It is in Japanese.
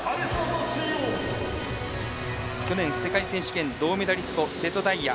去年世界選手権銅メダリスト瀬戸大也。